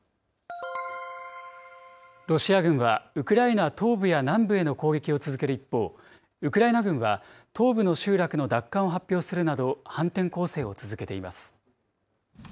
ロシア軍は、ウクライナ東部や南部への攻撃を続ける一方、ウクライナ軍は、東部の集落の奪還を発表するなど反転攻勢を続けています。